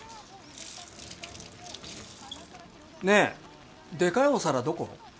ねえでかいお皿どこ？